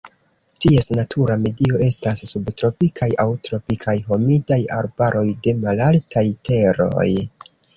Ties natura medio estas subtropikaj aŭ tropikaj humidaj arbaroj de malaltaj teroj.